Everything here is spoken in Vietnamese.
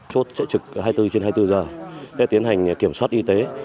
chốt sẽ trực hai mươi bốn trên hai mươi bốn giờ để tiến hành kiểm soát y tế